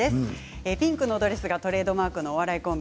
ピンクのドレスがトレードマークのお笑いコンビ